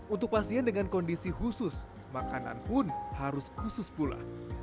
untuk pasien dengan kondisi khusus makanan pun harus khusus pula